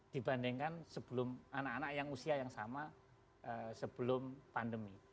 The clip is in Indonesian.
dibandingkan sebelum anak anak yang usia yang sama sebelum pandemi